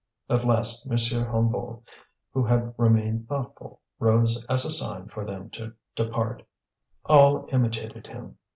At last M. Hennebeau, who had remained thoughtful, rose as a sign for them to depart. All imitated him.